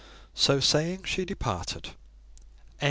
So saying, she departed.